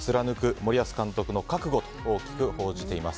森保監督の覚悟」と大きく報じています。